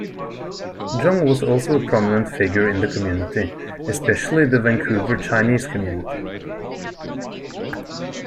Jung was also a prominent figure in the community, especially the Vancouver Chinese community.